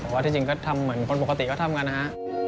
แต่ว่าที่จริงก็ทำเหมือนคนปกติก็ทำกันนะฮะ